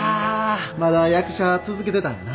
まだ役者続けてたんやな。